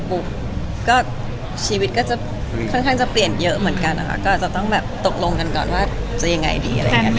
แฟนมีเท้าอิงสักกี่ปีหรืออะไรอย่างนี้